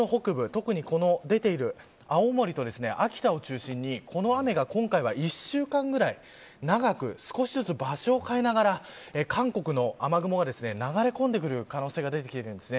特に、この出ている青森と秋田を中心にこの雨が、今回は１週間ぐらい長く、少しずつ場所を変えながら韓国の雨雲が流れ込んでくる可能性が出てきているんです。